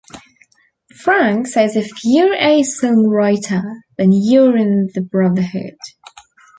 Franks says If you're a songwriter then you're in the Brotherhood.